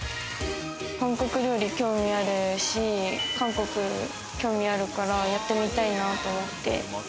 韓国料理、興味あるし、韓国に興味あるからやってみたいなと思って。